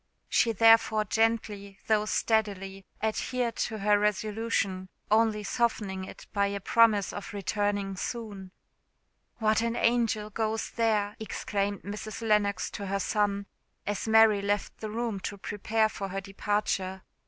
She therefore gently, though steadily, adhered to her resolution, only softening it by a promise of returning soon. "What an angel goes there!" exclaimed Mrs. Lennox to her son, as Mary left the room to prepare for her departure.